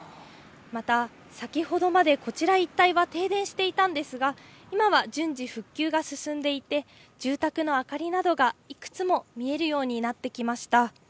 また先ほどまで、こちら一帯は停電していたんですが今は順次、復旧が進んでいて住宅の明かりなどがいくつも見えるようになってきました。